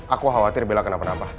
aku khawatir bela kenapa napa